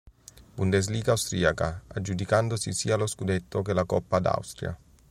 Bundesliga austriaca, aggiudicandosi sia lo scudetto che la Coppa d'Austria.